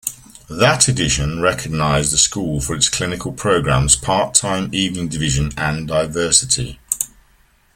That edition recognized the School for its clinical programs, part-time evening division, and diversity.